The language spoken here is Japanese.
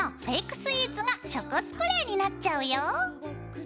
スイーツがチョコスプレーになっちゃうよ。